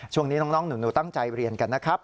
ช่วงนี้น้องหนูตั้งใจเรียนกันนะครับ